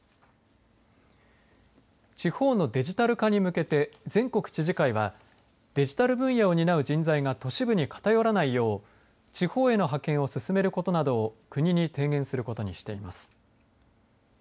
地方のデジタル化に向けて全国知事会はデジタル分野を担う人材が都市部に偏らないよう地方への派遣を進めることなどを国に提言することにしています。